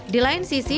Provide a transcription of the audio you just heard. di lain sisi